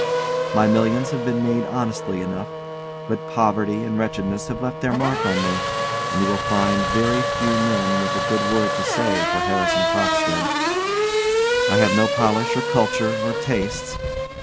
My millions have been made honestly enough; but poverty and wretchedness had left their mark on me, and you will find very few men with a good word to say for Harrison Crockstead. I have no polish, or culture, or tastes.